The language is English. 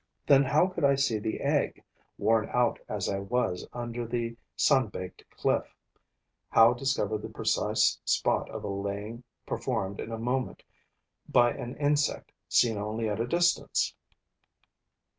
Then how could I see the egg, worn out as I was under the sun baked cliff, how discover the precise spot of a laying performed in a moment by an insect seen only at a distance?